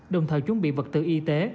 đồng thời chuẩn bị vật tự y tế